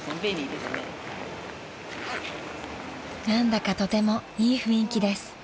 ［何だかとてもいい雰囲気です］